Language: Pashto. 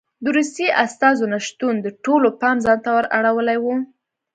د روسیې استازو نه شتون د ټولو پام ځان ته ور اړولی و.